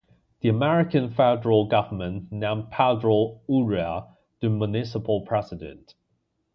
The American Federal Government named Pedro Urrea the Municipal President.